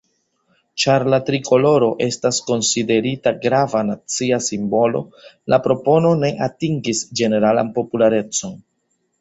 Ĉar la trikoloro estas konsiderita grava nacia simbolo, la propono ne atingis ĝeneralan popularecon.